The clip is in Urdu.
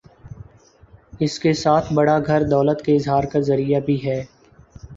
اس کے ساتھ بڑا گھر دولت کے اظہار کا ذریعہ بھی ہے۔